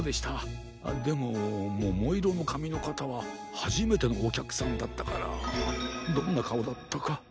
でもももいろのかみのかたははじめてのおきゃくさんだったからどんなかおだったか。